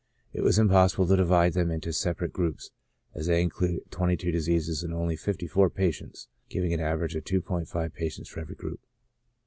It was impossible to divide them into separate groups, as they include twenty two diseases and only 54 patients, giving an average of 2*5 patients for every group.